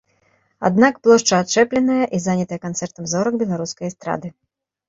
Аднак плошча ачэпленая і занятая канцэртам зорак беларускай эстрады.